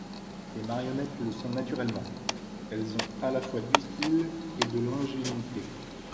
Les marionnettes le sont naturellement : elles ont à la fois du style et de l'ingénuité.